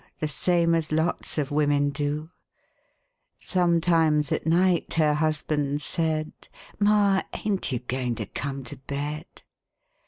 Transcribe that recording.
The same as lots of wimmin do; Sometimes at night her husban' said, "Ma, ain't you goin' to come to bed?"